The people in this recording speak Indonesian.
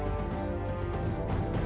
hah kegak gue